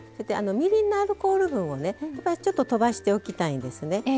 みりんのアルコール分をちょっととばしておきたいんですね。